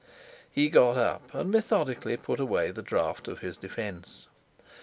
He got up and methodically put away the draft of his defence.